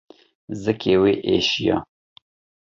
Zikê wê êşiya.